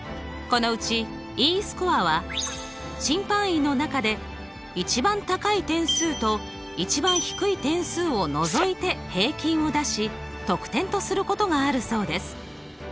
このうちＥスコアは審判員の中で一番高い点数と一番低い点数をのぞいて平均を出し得点とすることがあるそうです。